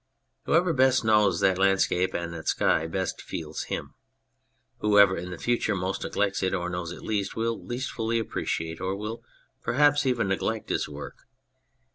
Whoever best knows that landscape and that sky best feels him. Whoever in the future most neglects it or knows it least will least fully appreciate or will perhaps even neglect his work.